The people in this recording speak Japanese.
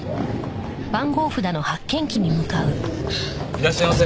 いらっしゃいませ。